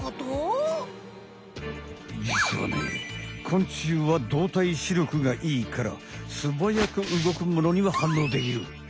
昆虫は動体視力が良いからすばやく動くものには反応できる。